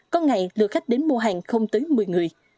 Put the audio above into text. có ngày lượt khách đến mua hàng không tới một mươi người